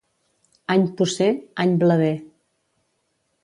Any pucer, any blader.